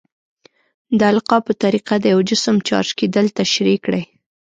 د القاء په طریقه د یو جسم چارج کیدل تشریح کړئ.